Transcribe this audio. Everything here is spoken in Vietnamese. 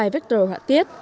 năm vector họa tiết